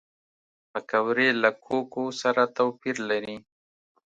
پکورې له کوکو سره توپیر لري